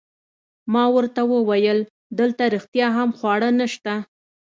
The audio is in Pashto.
ما ورته وویل: دلته رښتیا هم خواړه نشته؟